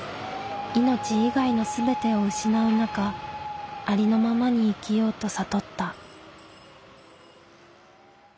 命以外の全てを失う中ありのままに生きようと悟った。